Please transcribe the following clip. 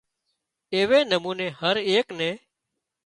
ايوي نموني هري ايڪ نِي